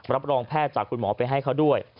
รับรองแพทย์จากคุณหมอไปให้เขาด้วย